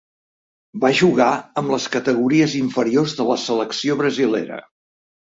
Va jugar amb les categories inferiors de la selecció brasilera.